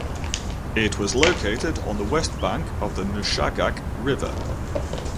It was located on the west bank of the Nushagak River.